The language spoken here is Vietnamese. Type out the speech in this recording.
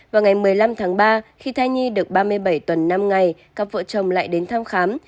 vào ngày một mươi năm tháng ba khi thai nhi được ba mươi bảy tuần năm ngày các vợ chồng lại đến thăm khám